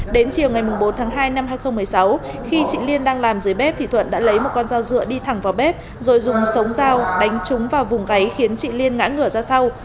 đến chiều ngày bốn tháng hai năm hai nghìn một mươi sáu khi chị liên đang làm dưới bếp thì thuận đã lấy một con dao dựa đi thẳng vào bếp rồi dùng sống dao đánh chúng vào vùng gáy khiến chị liên ngã ngửa ra sau